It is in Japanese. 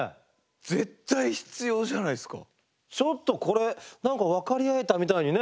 ちょっとこれ何か分かり合えたみたいにね。